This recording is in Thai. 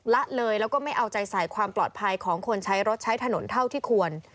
ละเลยแล้วก็ไม่เอาใจใส่ความปลอดภัยของคนใช้รถใช้ถนนเท่าที่ควร